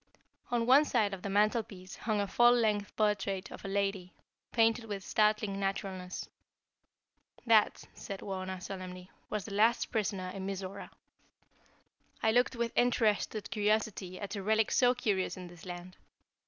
On one side of the mantelpiece hung a full length portrait of a lady, painted with startling naturalness. "That," said Wauna, solemnly, "was the last prisoner in Mizora." I looked with interested curiosity at a relic so curious in this land.